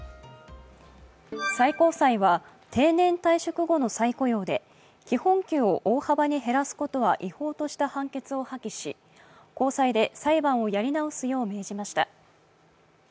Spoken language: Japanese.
最高裁は、定年退職後の再雇用で基本給を大幅に減らすことは違法とした判決を破棄し高裁で裁判をやり直すよう命じました。